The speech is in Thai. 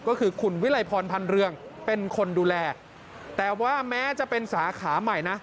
ก็คือคุณวิไลพรพันธ์เรืองเป็นคนดูแลแต่ว่าแม้จะเป็นสาขาใหม่นะ